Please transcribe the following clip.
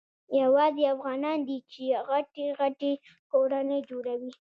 یوازي افغانان دي چي غټي غټي کورنۍ جوړوي.